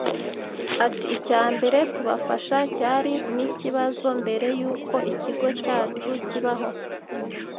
Ati “Icya mbere tubafasha cyari n’ikibazo mbere y’uko ikigo cyacu kibaho